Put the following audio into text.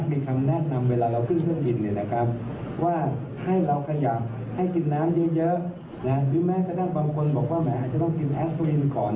เพราะว่าถ้าเรานั่งนาน